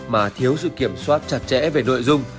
mà thiếu sự kiểm soát chặt chẽ về nội dung